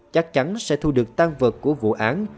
chắc chắn sẽ thu được tan vật của vụ án